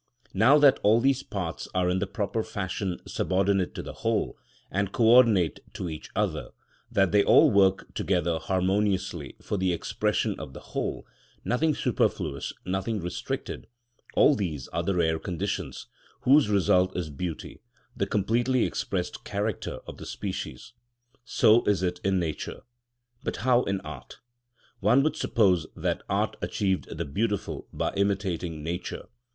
Now that all these parts are in the proper fashion subordinate to the whole, and co ordinate to each other, that they all work together harmoniously for the expression of the whole, nothing superfluous, nothing restricted; all these are the rare conditions, whose result is beauty, the completely expressed character of the species. So is it in nature. But how in art? One would suppose that art achieved the beautiful by imitating nature.